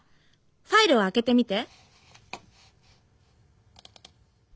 ファイルを開けてみて」。